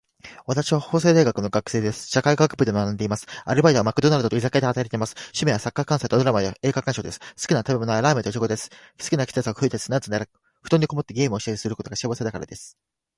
私は法政大学の学生です。社会学部で学んでいます。アルバイトはマクドナルドと居酒屋で働いています。趣味はサッカー観戦とドラマや映画鑑賞です。好きな食べ物はラーメンといちごです。好きな季節は冬です。なぜなら、布団にこもってゲームをしたりするのが幸せだからです。